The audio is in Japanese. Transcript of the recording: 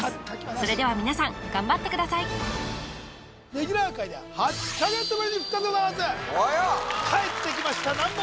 それでは皆さん頑張ってくださいレギュラー回では帰ってきました難問